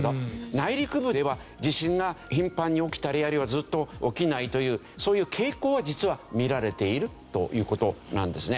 内陸部では地震が頻繁に起きたりあるいはずっと起きないというそういう傾向は実は見られているという事なんですね。